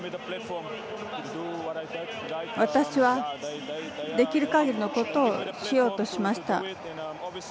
私は、できる限りのことをしようとしました。